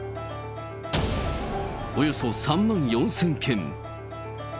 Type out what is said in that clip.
およそ３万４０００件。